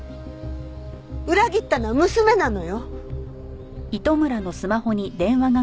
裏切ったのは娘なのよ！